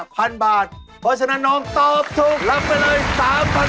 เพราะฉะนั้นน้องตอบถูกรับไปเลย๓๐๐๐บาท